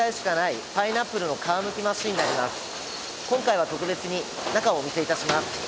今回は特別に中をお見せ致します。